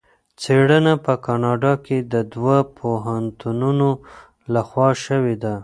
څېړنه په کاناډا کې د دوه پوهنتونونو لخوا شوې ده.